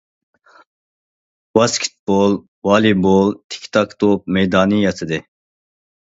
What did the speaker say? ۋاسكېتبول، ۋالىبول، تىكتاك توپ مەيدانى ياسىدى.